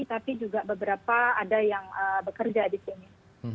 tapi juga beberapa ada yang bekerja di sini